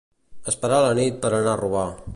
Esperar la nit per anar a robar.